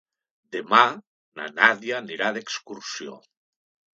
Demà na Nàdia anirà d'excursió.